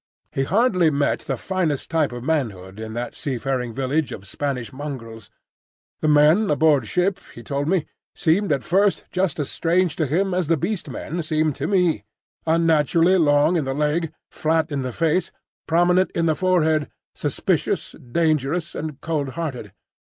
He hardly met the finest type of mankind in that seafaring village of Spanish mongrels. The men aboard ship, he told me, seemed at first just as strange to him as the Beast Men seemed to me,—unnaturally long in the leg, flat in the face, prominent in the forehead, suspicious, dangerous, and cold hearted.